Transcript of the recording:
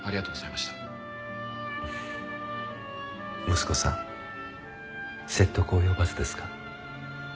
息子さん説得及ばずですか？